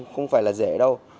không phải là dễ đâu